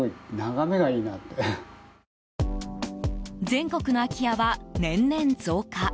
全国の空き家は年々増加。